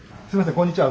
こんにちは。